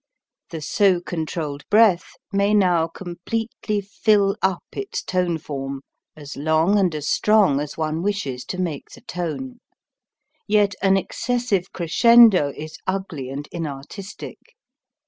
The so controlled breath may now completely fill up its tone form as long and as strong as one wishes to make the tone. Yet an excessive crescendo is ugly and inartistic.